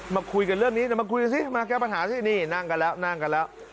มาคุยกันเรื่องนี้เดี๋ยวมาคุยกันสิมาแก้ปัญหาสินี่นั่งกันแล้วนั่งกันแล้ว